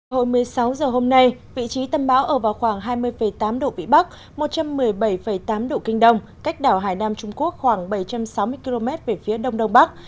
hồi một mươi sáu h hôm nay vị trí tâm bão ở vào khoảng hai mươi tám độ vĩ bắc một trăm một mươi bảy tám độ kinh đông cách đảo hải nam trung quốc khoảng bảy trăm sáu mươi km về phía đông đông bắc